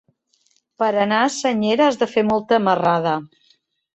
Per anar a Senyera has de fer molta marrada.